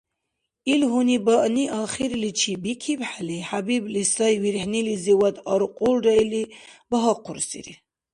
Ил гьунибаъни ахирличи бикибхӀели, ХӀябибли, сай вирхӀнилизивад аркьулра или багьахъурсири.